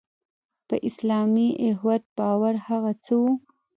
په اسلامي اخوت باور هغه څه وو.